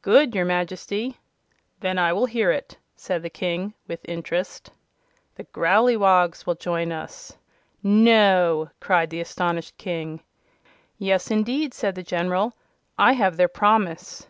"Good, your Majesty." "Then I will hear it," said the King, with interest. "The Growleywogs will join us." "No!" cried the astonished King. "Yes, indeed," said the General. "I have their promise."